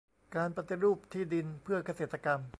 การปฏิรูปที่ดินเพื่อเกษตรกรรม